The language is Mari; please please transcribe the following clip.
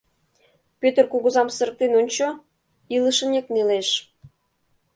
Пӧтыр кугызам сырыктен ончо — илышынек нелеш.